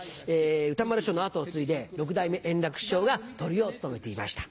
歌丸師匠の跡を継いで六代目円楽師匠がトリを務めていました。